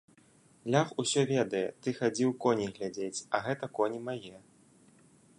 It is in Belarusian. Лях усё ведае, ты хадзіў коней глядзець, а гэта коні мае.